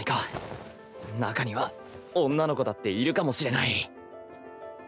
中には女の子だっているかもしれない。